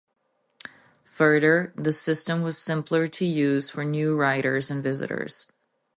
Further, the system was simpler to use for new riders and visitors.